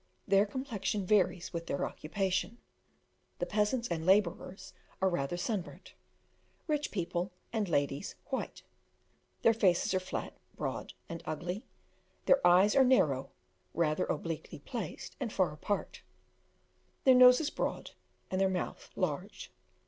Their complexion varies with their occupation: the peasants and labourers are rather sun burnt; rich people and ladies white. Their faces are flat, broad, and ugly; their eyes are narrow, rather obliquely placed, and far apart; their noses broad, and their mouth large.